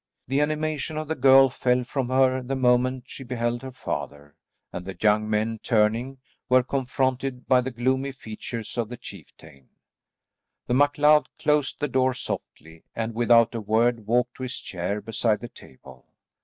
The animation of the girl fell from her the moment she beheld her father, and the young men, turning, were confronted by the gloomy features of the chieftain. The MacLeod closed the door softly, and, without a word, walked to his chair beside the table.